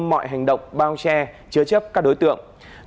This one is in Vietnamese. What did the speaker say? mọi hành động bao che chứa chấp các đối tượng